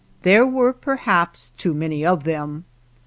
There were perhaps too many of them.